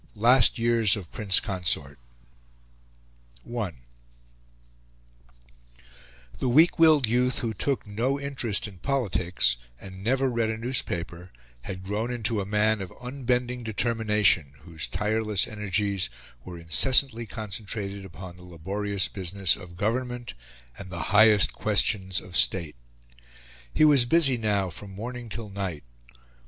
LAST YEARS OF PRINCE CONSORT I The weak willed youth who took no interest in polities and never read a newspaper had grown into a man of unbending determination whose tireless energies were incessantly concentrated upon the laborious business of government and the highest questions of State. He was busy now from morning till night.